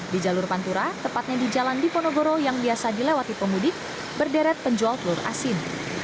di jalur pantura tepatnya di jalan diponegoro yang biasa dilewati pemudik berderet penjual telur asin